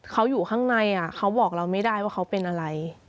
เขาอยู่ข้างในเขาบอกเราไม่ได้ว่าเขาเป็นอะไร